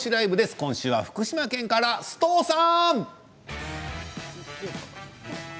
今週は福島県から、須藤さん。